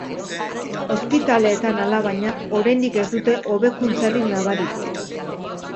Ospitaleetan, alabaina, oraindik ez dute hobekuntzarik nabaritu.